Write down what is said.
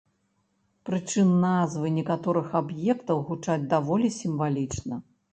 Прычым назвы некаторых аб'ектаў гучаць даволі сімвалічна.